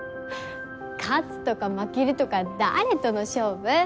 勝つとか負けるとか誰との勝負？